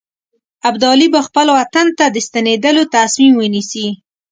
ابدالي به خپل وطن ته د ستنېدلو تصمیم ونیسي.